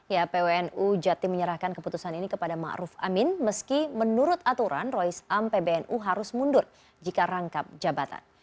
ya pwnu jati menyerahkan keputusan ini kepada ma'ruf amin meski menurut aturan rois am pbnu harus mundur jika rangkap jabatan